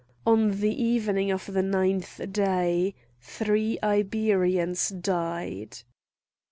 On the evening of the ninth day three Iberians died.